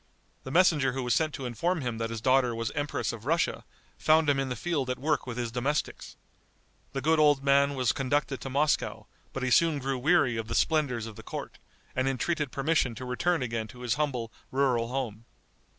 The messenger who was sent to inform him that his daughter was Empress of Russia, found him in the field at work with his domestics. The good old man was conducted to Moscow; but he soon grew weary of the splendors of the court, and entreated permission to return again to his humble rural home.